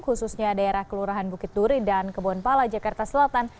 khususnya daerah kelurahan bukit turi dan kebun pala jakarta selatan